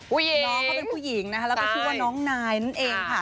น้องเขาเป็นผู้หญิงนะคะแล้วก็ชื่อว่าน้องนายนั่นเองค่ะ